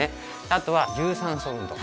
あとは有酸素運動。